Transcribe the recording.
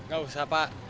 gak usah pak